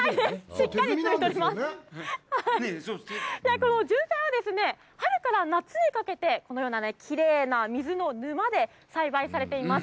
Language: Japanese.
このジュンサイは、春から夏にかけてきれいな水の沼で栽培されています。